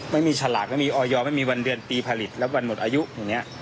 ฉลากไม่มีออยไม่มีวันเดือนปีผลิตแล้ววันหมดอายุอย่างนี้